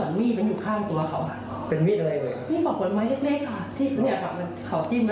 เพราะหนูก็เอาตัวรอบของหนูแล้วอ่ะเพราะคุณนายก่อนเริ่มมองหูกับเราเดี๋ยว